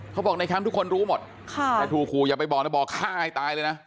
เขาบอกในแคมป์ทุกคนรู้หมดแต่ถูกขู่อย่าไปบอกนะบอกฆ่าให้ตายเลยนะ